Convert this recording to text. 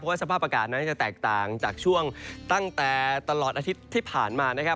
สภาพอากาศนั้นจะแตกต่างจากช่วงตั้งแต่ตลอดอาทิตย์ที่ผ่านมานะครับ